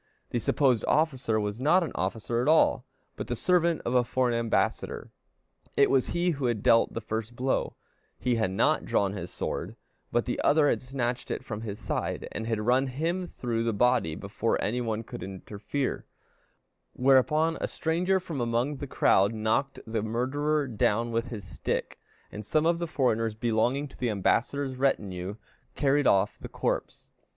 The supposed officer was not an officer at all, but the servant of a foreign ambassador; it was he who had dealt the first blow; he had not drawn his sword, but the other had snatched it from his side, and had run him through the body before any one could interfere; whereupon a stranger from among the crowd knocked the murderer down with his stick, and some of the foreigners belonging to the ambassador's retinue carried off the corpse.